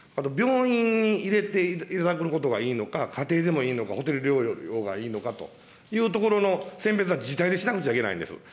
病院に入れていただけることがいいのか、家庭でもいいのか、ホテル療養がいいのかというところの、選別は、自治体でしなくちゃいけないんです。